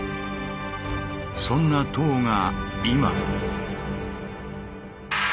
そんな塔が今。